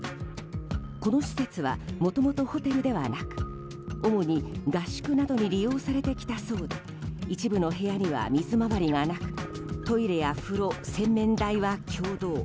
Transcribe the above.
この施設はもともとホテルではなく主に合宿などに利用されてきたそうで一部の部屋には水回りがなくトイレや風呂、洗面台は共同。